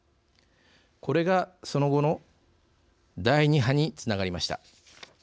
これがその後の第２波につながりました。